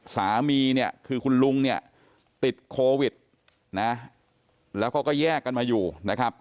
สามีคือคุณลุงติดโควิดแล้วก็แยกกันมาอยู่นะครับ